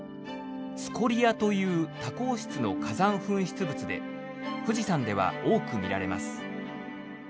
「スコリア」という多孔質の火山噴出物で富士山では多く見られます。